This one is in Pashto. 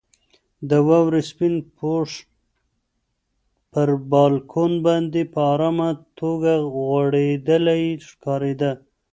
د واورې سپین پوښ پر بالکن باندې په ارامه توګه غوړېدلی ښکارېده.